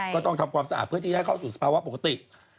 ต้องทำความสะอาดเพื่อที่จะให้เข้าสู่สภาวะปกติ